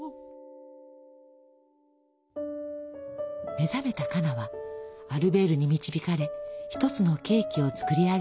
目覚めたカナはアルベールに導かれ一つのケーキを作り上げます。